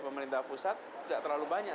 pemerintah pusat tidak terlalu banyak